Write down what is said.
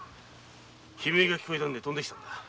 悲鳴が聞こえたので飛んで来た。